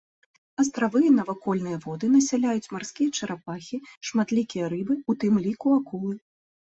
Астравы і навакольныя воды насяляюць марскія чарапахі, шматлікія рыбы, у тым ліку акулы.